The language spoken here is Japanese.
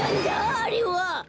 あれは。